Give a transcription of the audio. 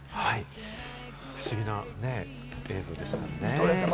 不思議な映像でしたね。